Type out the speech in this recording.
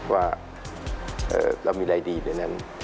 ว่าเรามีอะไรดีในนั้น